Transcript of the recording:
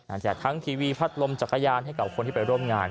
แจกทั้งทีวีพัดลมจักรยานให้กับคนที่ไปร่วมงาน